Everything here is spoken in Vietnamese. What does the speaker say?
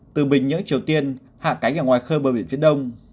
từ bình nhưỡng triều tiên hạ cánh ở ngoài khơi bờ biển phía đông